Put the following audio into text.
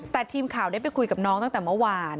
แต่ทีมข่าวได้ไปคุยกับน้องตั้งแต่เมื่อวาน